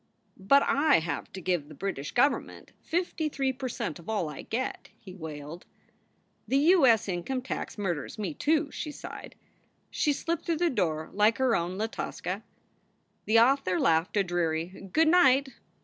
"But I have to give the British government fifty three per cent of all I get," he wailed. 11 The U. S. income tax murders me, too," she sighed. She slipped through the door like her own La Tosca. The author laughed a dreary "Good night!